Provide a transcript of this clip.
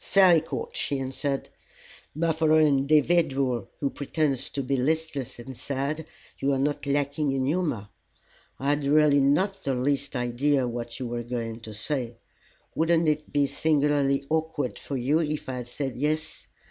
"Fairly caught," she answered. "For an individual who pretends to be listless and sad you are not lacking in humor. I had really not the least idea what you were going to say. Wouldn't it be singularly awkward for you if I had said 'Yes'?